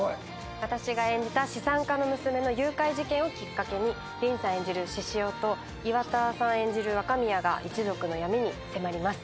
私が演じた資産家の娘の誘拐事件をきっかけにディーンさん演じる獅子雄と岩田さん演じる若宮が一族の闇に迫ります。